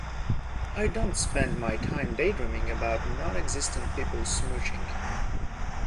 I don’t spend my time daydreaming about nonexistent people smooching.